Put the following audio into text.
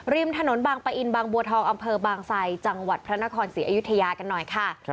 ริมถนนบางปะอินบางบัวทองอำเภอบางไซจังหวัดพระนครศรีอยุธยากันหน่อยค่ะ